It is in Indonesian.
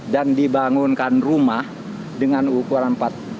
dan dibangunkan rumah dengan ukuran empat puluh lima